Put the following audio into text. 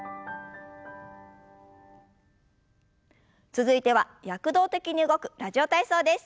続いては躍動的に動く「ラジオ体操」です。